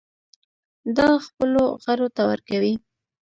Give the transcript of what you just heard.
دا خپلو غړو ته ورکوي.